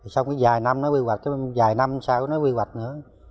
xong cái vài năm nói quy hoạch vài năm sau nói quy hoạch nữa